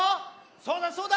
そうだそうだ！